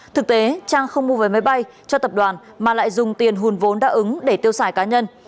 thực tế trang không mua về máy bay cho tập đoàn mà lại dùng tiền hùn vốn đã ứng để tiêu xài cá nhân